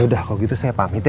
yaudah kalau gitu saya pamit ya